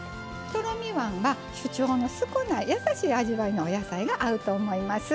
とろみ椀は主張の少ない優しい味わいのお野菜が合うと思います。